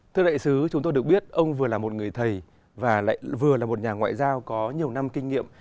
thưa đại sứ chúng tôi được biết ông vừa là một người thầy và lại vừa là một nhà ngoại giao có nhiều năm kinh nghiệm